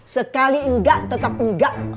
sekali enggak tetap enggak